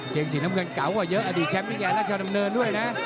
เกรงสีน้ำเกินเก่ากว่าเยอะอดีตแชมป์ยังไงและชาวดำเนินด้วยนะ